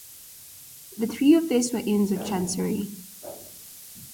The three of these were Inns of Chancery.